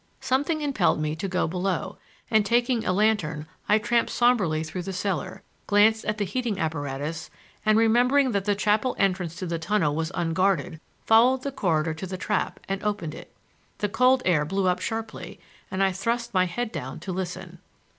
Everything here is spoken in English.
Something impelled me to go below, and, taking a lantern, I tramped somberly through the cellar, glanced at the heating apparatus, and, remembering that the chapel entrance to the tunnel was unguarded, followed the corridor to the trap, and opened it. The cold air blew up sharply and I thrust my head down to listen.